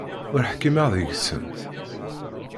Ur ḥkimeɣ deg-sent.